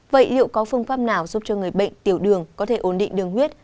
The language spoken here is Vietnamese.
vậy liệu có phương pháp nào giúp cho người bệnh tiểu đường có thể ổn định đường huyết